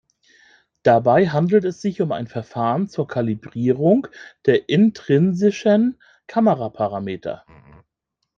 Dabei handelt es sich um ein Verfahren zur Kalibrierung der intrinsischen Kameraparameter.